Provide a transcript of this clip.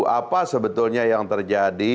apa sebetulnya yang terjadi